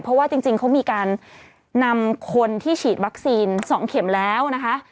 เพราะว่าจริงเขามีการนำคนที่ฉีดวัคซีน๒เข็มแล้วนะคะ